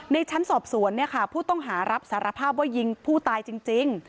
ในชั้นสอบสวนผู้ต้องหารับสารภาพว่ายิงผู้ตายจริง